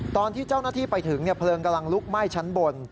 ตอนที่เจ้าหน้าที่ไปถึงเพลิงกำลังลุกไหม้ชั้นบน